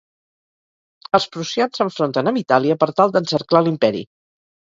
Els prussians s'enfronten amb Itàlia per tal d'encerclar l'Imperi.